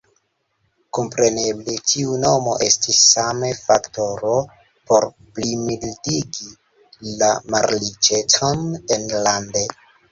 Kompreneble, tiu mono estis same faktoro por plimildigi la malriĉecon enlande.